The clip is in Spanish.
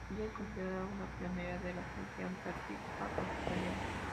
Ella es considerada una pionera de la ciencia antártica australiana.